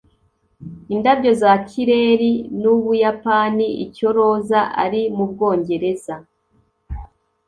indabyo za kireri nu buyapani icyo roza ari mubwongereza